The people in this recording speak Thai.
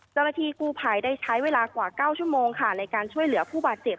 เจ้าหน้าที่กู้ภัยได้ใช้เวลากว่า๙ชั่วโมงค่ะในการช่วยเหลือผู้บาดเจ็บ